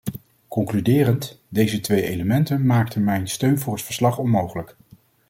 Concluderend, deze twee elementen maakten mijn steun voor het verslag onmogelijk.